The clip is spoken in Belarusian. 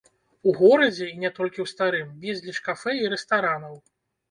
У горадзе, і не толькі ў старым, безліч кафэ і рэстаранаў.